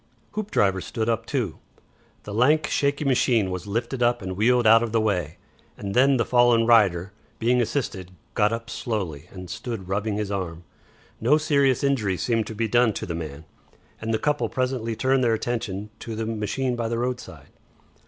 Hoopdriver stood up, too. The lank, shaky machine was lifted up and wheeled out of the way, and then the fallen rider, being assisted, got up slowly and stood rubbing his arm. No serious injury seemed to be done to the man, and the couple presently turned their attention to the machine by the roadside.